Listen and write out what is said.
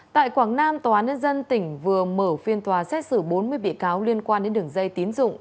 tại quảng nam tòa án nhân dân tỉnh vừa mở phiên tòa xét xử bốn mươi bị cáo liên quan đến đường dây tín dụng